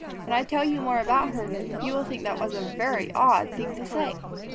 When I tell you more about her, you will think that was a very odd thing to say.